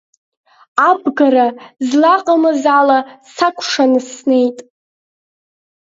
Абгарра злаҟамыз ала сакәшаны снеит.